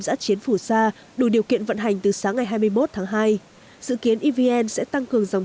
giã chiến phủ sa đủ điều kiện vận hành từ sáng ngày hai mươi một tháng hai dự kiến evn sẽ tăng cường dòng